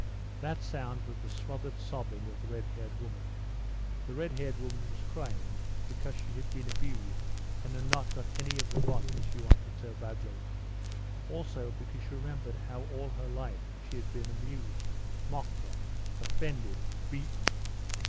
This sound was the smothered sobbing of the red haired woman. The red haired woman was crying because she had been abused and had not got any of the vodka she wanted so badly; also because she remembered how all her life she had been abused, mocked at, offended, beaten.